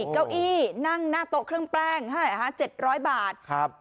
เก้าอี้นั่งหน้าโต๊ะเครื่องแป้ง๗๐๐บาท